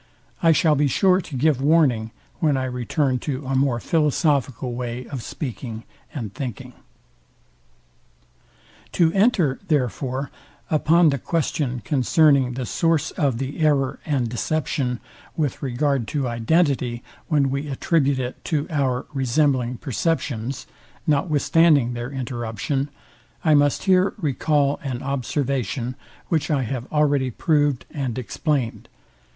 I shall be sure to give warning, when I return to a more philosophical way of speaking and thinking. To enter, therefore, upon the question concerning the source of the error and deception with regard to identity, when we attribute it to our resembling perceptions, notwithstanding their interruption; I must here recal an observation, which I have already prov'd and explain'd.